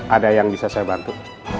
ada yang bisa saya bantu